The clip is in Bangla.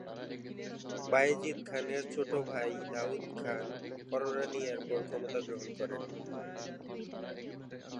বায়েজিদ খানের ছোট ভাই দাউদ খান কররানী এরপর ক্ষমতা গ্রহণ করেন।